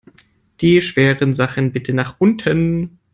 Die schweren Sachen bitte nach unten!